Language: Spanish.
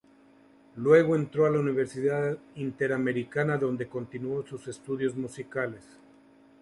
Luego entró a la Universidad Interamericana donde continuó sus estudios musicales.